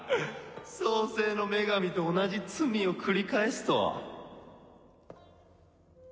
創世の女神と同じ罪を繰り返すとは。